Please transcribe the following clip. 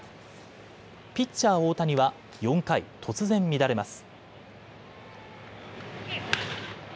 ピッチャー大谷は４回、突然乱れます。